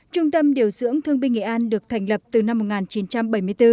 trung tâm điều dưỡng thương binh nghệ an được thành lập từ năm một nghìn chín trăm bảy mươi bốn